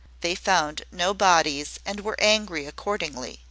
They found no bodies, and were angry accordingly.